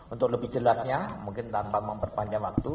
untuk lebih jelasnya mungkin tanpa memperpanjang waktu